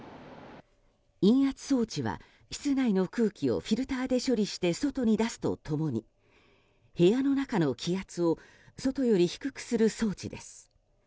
陰圧装置は室内の空気をフィルターで処理して外に出すと共に部屋の中の気圧を外より低くする装置です。